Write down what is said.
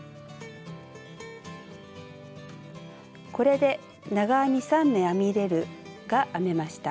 これで長編み３目編み入れるが編めました。